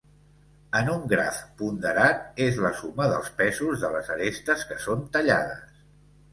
En un graf ponderat, és la suma dels pesos de les arestes que són tallades.